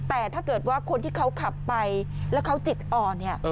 แต่ถ้าเกิดว่าคนที่เขาขับไปแล้วเขาจิตอ่อนเนี่ย